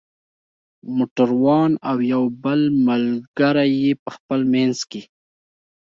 موټر وان او یو بل ملګری یې په خپل منځ کې.